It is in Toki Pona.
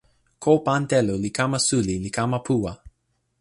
ko pan telo li kama suli li kama puwa.